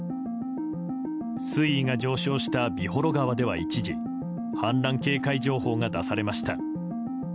水位が上昇した美幌川では一時氾濫警戒情報が出されました。